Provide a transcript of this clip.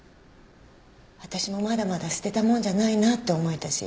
私もまだまだ捨てたもんじゃないなって思えたし。